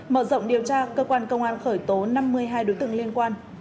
mở rộng điều tra cơ quan công an khởi tố năm mươi hai đối tượng liên quan